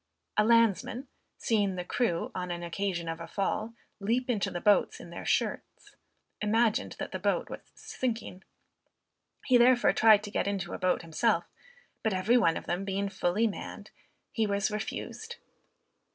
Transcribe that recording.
A landsman, seeing the crew, on an occasion of a fall, leap into the boats in their shirts, imagined that the ship was sinking. He therefore tried to get into a boat himself, but every one of them being fully manned, he was refused.